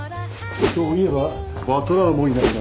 そういえばバトラーもいないな。